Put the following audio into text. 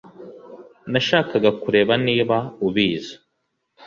Nashakaga kureba niba ubizi